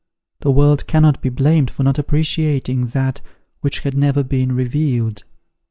The world cannot be blamed for not appreciating that which had never been revealed.